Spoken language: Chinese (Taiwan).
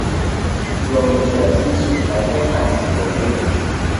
有明確的機制來規範其維運